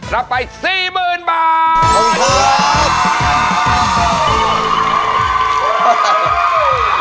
รับไป๔๐๐๐บาท